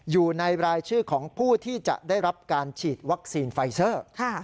อยู่ในรายชื่อของผู้ที่จะได้รับการฉีดวัคซีนไฟเซอร์